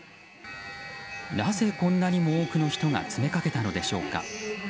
なぜこんなにも多くの人が詰めかけたのでしょうか。